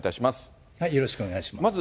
よろしくお願いします。